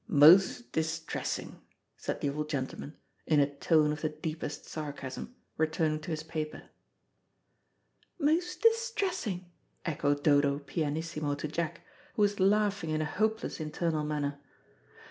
"Most distressin'," said the old gentleman, in a tone of the deepest sarcasm, returning to his paper. "Most distressin'," echoed Dodo pianissimo to Jack, who was laughing in a hopeless internal manner.